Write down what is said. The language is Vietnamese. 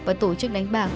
và tổ chức đánh bạc